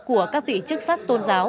của các vị chức sát tôn giáo